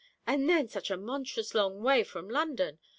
and then such a monstrous long way from London!